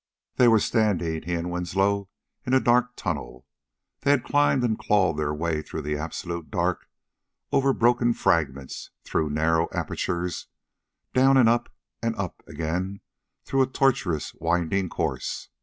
They were standing, he and Winslow, in a dark tunnel. They had climbed and clawed their way through the absolute dark, over broken fragments, through narrow apertures, down and up, and up again through a tortuous, winding course.